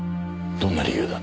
どんな理由だ？